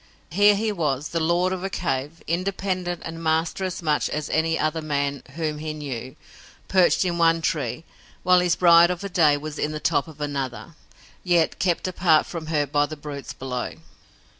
Here he was, the lord of a cave, independent and master as much as any other man whom he knew, perched in one tree while his bride of a day was in the top of another, yet kept apart from her by the brutes below!